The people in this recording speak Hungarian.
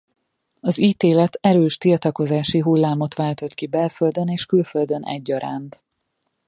Az ítélet erős tiltakozási hullámot váltott ki belföldön és külföldön egyaránt.